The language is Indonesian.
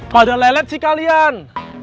padahal lelep sih kalian